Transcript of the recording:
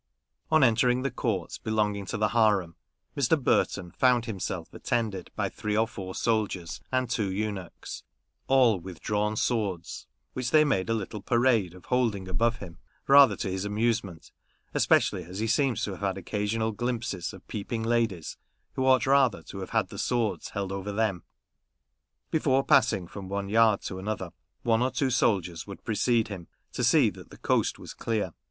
On entering the courts belonging to the harem, Mr. Burton found himself attended by three or four soldiers, and two eunuchs — all with drawn swords, which they made a little parade of holding above him, rather to his amusement, especially as he seems to have had occasional glimpses of peeping ladies, who ought rather to have had the swords held over them. Before passing from one yard to another, one or two soldiers would precede him, to see that the coast was clear.